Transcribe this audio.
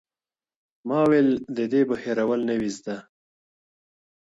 ما ويل ددې به هېرول نه وي زده_